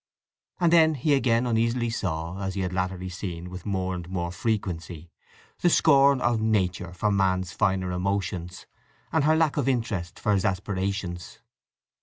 And then he again uneasily saw, as he had latterly seen with more and more frequency, the scorn of Nature for man's finer emotions, and her lack of interest in his aspirations.